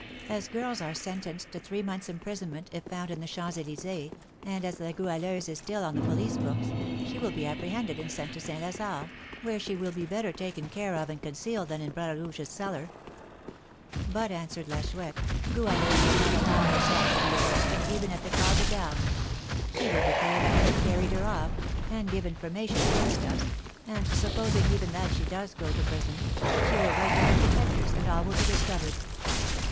As girls are sentenced to three months' imprisonment if found in the Champs Elysées, and as La Goualeuse is still on the police books, she will be apprehended and sent to St. Lazare, where she will be better taken care of and concealed than in Bras Rouge's cellar.' 'But,' answered La Chouette, 'Goualeuse will not allow herself to be arrested even at the corps de garde. She will declare that we have carried her off, and give information against us; and, supposing even that she goes to prison, she will write to her protectors, and all will be discovered.'